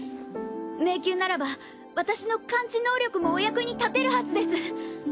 迷宮ならば私の感知能力もお役に立てるはずです。